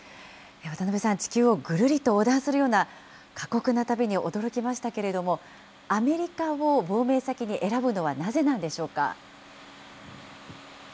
渡辺さん、地球をぐるりと横断するような過酷な旅に驚きましたけど、アメリカを亡命先に選ぶのはなぜなんでしょうか。